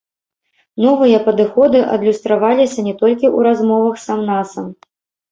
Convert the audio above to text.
Новыя падыходы адлюстраваліся не толькі ў размовах сам-насам.